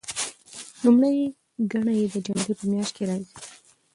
لومړۍ ګڼه یې د جنوري په میاشت کې راځي.